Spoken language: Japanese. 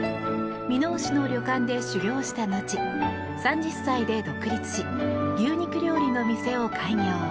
箕面市の旅館で修業した後３０歳で独立し牛肉料理の店を開業。